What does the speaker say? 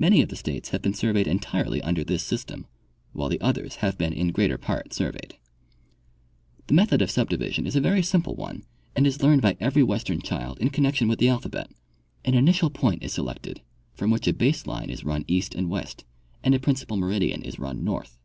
Many of the states have been surveyed entirely under this sys tem, while the others have been in greater part surveyed. The method of subdivision is a very simple one, and is learned by every western child in connection with the alphabet. An initial point is selected from which a base line is run east and west and a principal meridian is run north.